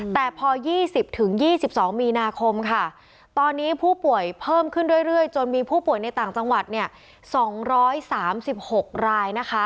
แต่พอ๒๐๒๒มีนาคมค่ะตอนนี้ผู้ป่วยเพิ่มขึ้นเรื่อยจนมีผู้ป่วยในต่างจังหวัด๒๓๖รายนะคะ